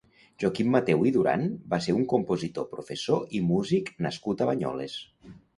Joaquim Mateu i Duran va ser un compositor, professor i músic nascut a Banyoles.